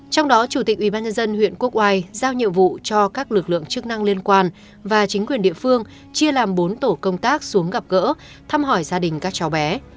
trong đó chủ tịch ubnd huyện quốc oai giao nhiệm vụ cho các lực lượng chức năng liên quan và chính quyền địa phương chia làm bốn tổ công tác xuống gặp gỡ thăm hỏi gia đình các cháu bé